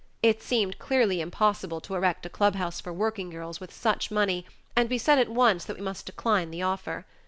It seemed clearly impossible to erect a clubhouse for working girls with such money and we at once said that we must decline the offer.